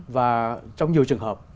và trong nhiều trường hợp